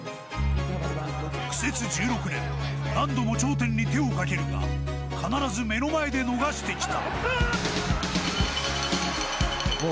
苦節１６年、何度も頂点に手をかけるが必ず目の前で逃してきた。